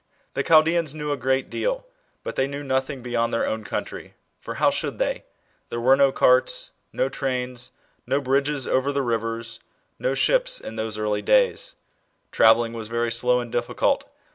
The Chaldeans knew a great deal, but they knew nothing beyond their own country, for how should they ? Ther3 were no carts, no trains, no bridges over the rivers, no ships, r^ those early days. Travelling was ve*y slow and difficult.